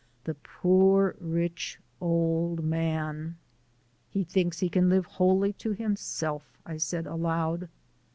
The poor rich old man! "He thinks he can live wholly to himself," I said aloud.